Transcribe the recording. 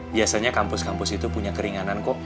biasanya kampus kampus itu punya keringanan kok